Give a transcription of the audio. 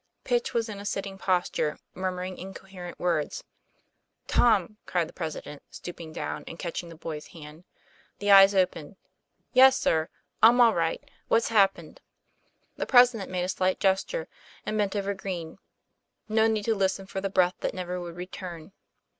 Pitch was in a sitting posture, murmuring incoherent words. 'Tom!" cried the President, stooping down, and catching the boy's hand. The eyes opened. 'Yes, sir; I'm all right; what's happened?" The president made a slight gesture, and bent over Green. No need to listen for the breath that never would return.